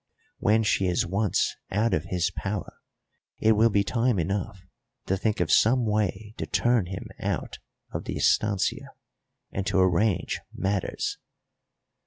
When she is once out of his power it will be time enough to think of some way to turn him out of the estancia and to arrange matters.